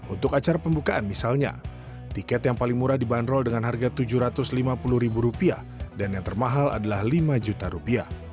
untuk acara pembukaan misalnya tiket yang paling murah dibanderol dengan harga rp tujuh ratus lima puluh dan yang termahal adalah rp lima